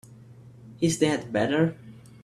Is the head better?